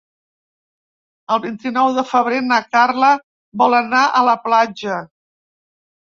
El vint-i-nou de febrer na Carla vol anar a la platja.